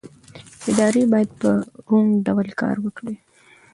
ادارې باید په روڼ ډول کار وکړي